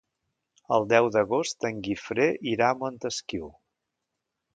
El deu d'agost en Guifré irà a Montesquiu.